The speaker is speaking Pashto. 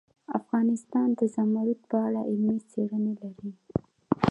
افغانستان د زمرد په اړه علمي څېړنې لري.